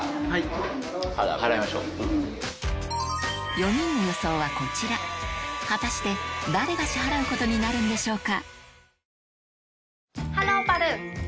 ４人の予想はこちら果たして誰が支払うことになるんでしょうか？